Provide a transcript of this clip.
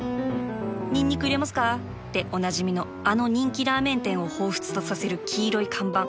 「ニンニク入れますか？」でおなじみのあの人気ラーメン店をほうふつとさせる黄色い看板